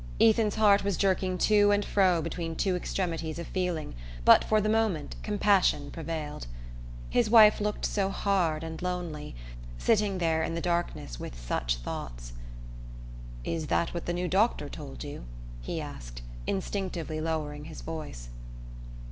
Ethan's heart was jerking to and fro between two extremities of feeling, but for the moment compassion prevailed. His wife looked so hard and lonely, sitting there in the darkness with such thoughts. "Is that what the new doctor told you?" he asked, instinctively lowering his voice.